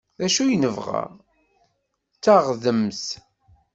D acu i nebɣa? D taɣdemt!